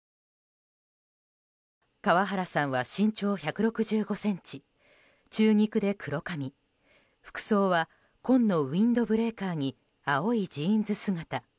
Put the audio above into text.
川原さんは身長１６５ｃｍ中肉で黒髪服装は紺のウィンドブレーカーに青いジーンズ姿。